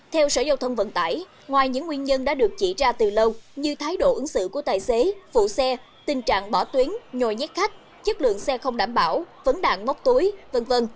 theo sở giao thông vận tải ngoài những nguyên nhân đã được chỉ ra từ lâu như thái độ ứng xử của tài xế phụ xe tình trạng bỏ tuyến nhồi nhét khách chất lượng xe không đảm bảo vấn đạn mốc túi v v